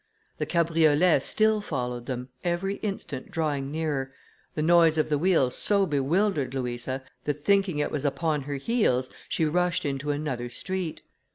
The cabriolet still followed them, every instant drawing nearer; the noise of the wheels so bewildered Louisa, that thinking it was upon her heels, she rushed into another street.